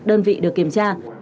đơn vị được kiểm tra